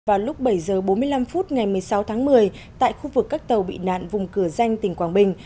vào lúc bảy h bốn mươi năm phút ngày một mươi sáu tháng một mươi tại khu vực các tàu bị nạn vùng cửa danh tỉnh quảng bình